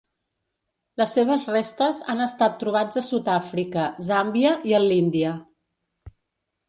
Les seves restes han estat trobats a Sud-àfrica, Zàmbia i en l'Índia.